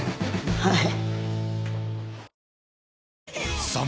はい。